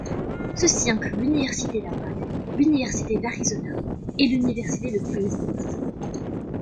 Ceci inclut l'université d'Hawaï, l'université d'Arizona, et l'université de Pittsburgh.